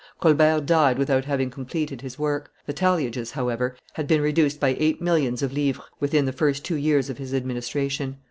Colbert died without having completed his work; the talliages, however, had been reduced by eight millions of livres within the first two years of his administration.